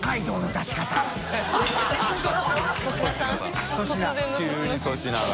読福急に粗品が。